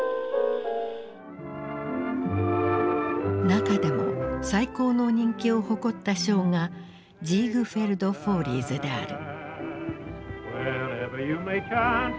中でも最高の人気を誇ったショーが「ジーグフェルド・フォーリーズ」である。